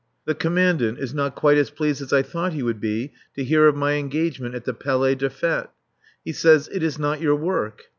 The Commandant is not quite as pleased as I thought he would be to hear of my engagement at the Palais des Fêtes. He says, "It is not your work."